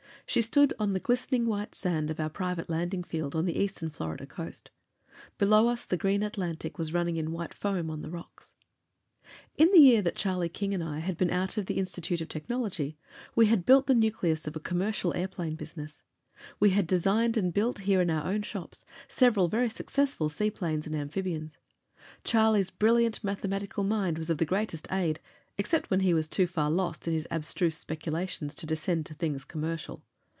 She stood on the glistening white sand of our private landing field on the eastern Florida coast. Below us the green Atlantic was running in white foam on the rocks. In the year that Charlie King and I had been out of the Institute of Technology, we had built the nucleus of a commercial airplane business. We had designed and built here in our own shops several very successful seaplanes and amphibians. Charlie's brilliant mathematical mind was of the greatest aid, except when he was too far lost in his abstruse speculations to descend to things commercial.